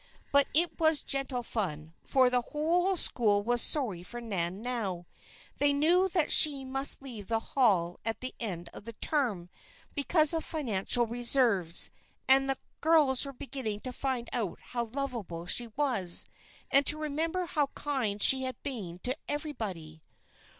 But it was gentle fun, for the whole school was sorry for Nan now. They knew that she must leave the Hall at the end of the term because of financial reverses, and the girls were beginning to find out how lovable she was, and to remember how kind she had been to everybody.